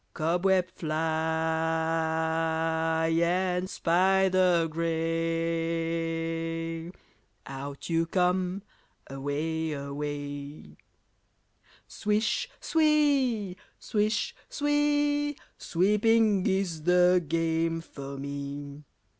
Cobweb, fly, and spider grey, Out you come! away! away! Swish, swee! swish, swee! Sweeping is the game for me!